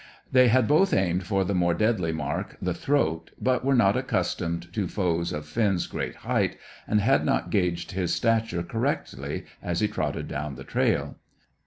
They had both aimed for the more deadly mark, the throat, but were not accustomed to foes of Finn's great height, and had not gauged his stature correctly as he trotted down the trail.